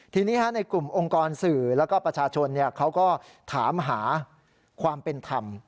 ทีนี้ในกลุ่มองค์กรสื่อแล้วก็ประชาชนเขาก็ถามหาความเป็นธรรม